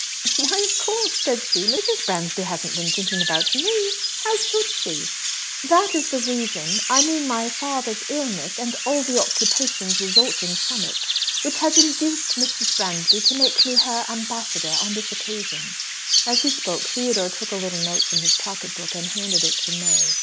"Why of course?" said she. "Mrs. Bransby hasn't been thinking about me! How should she?" "That is the reason I mean my father's illness, and all the occupations resulting from it which has induced Mrs. Bransby to make me her ambassador on this occasion." As he spoke, Theodore took a little note from his pocket book, and handed it to May.